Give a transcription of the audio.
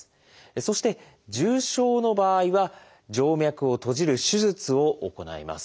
そして重症の場合は静脈を閉じる手術を行います。